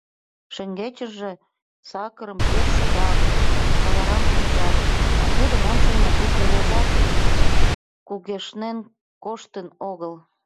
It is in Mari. Шеҥгечынже Сакарым пеш шудалыт, кавараш кӱчат, а тудын ончылно ик рвезат кугешнен коштын огыл.